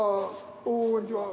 おおこんにちは。